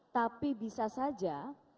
tapi bisa saja